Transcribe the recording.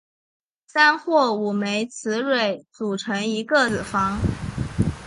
三或五枚雌蕊组成一个子房。